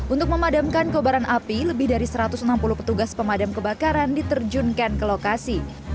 untuk memadamkan kobaran api lebih dari satu ratus enam puluh petugas pemadam kebakaran diterjunkan ke lokasi